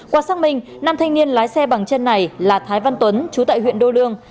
qua xác minh nam thanh niên lái xe bằng chân này là thái văn tuấn chú tại huyện đô lương